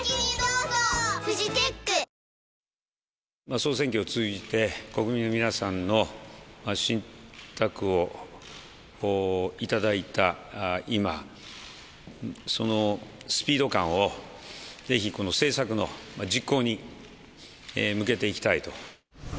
総選挙を通じて、国民の皆さんの信託をいただいた今、そのスピード感をぜひこの政策の実行に向けていきたいと。